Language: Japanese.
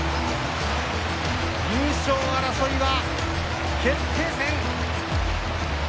優勝争いは決定戦。